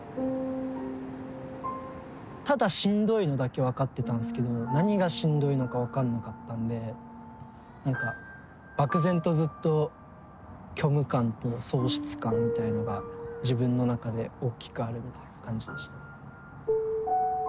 ただしんどいのだけ分かってたんすけど何がしんどいのか分かんなかったんで何か漠然とずっと虚無感と喪失感みたいのが自分の中でおっきくあるみたいな感じでした。